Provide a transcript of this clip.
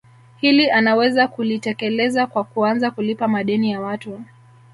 Hili anaweza kulitekeleza kwa kuanza kulipa madeni ya watu